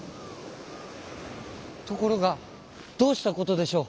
ところがどうしたことでしょう。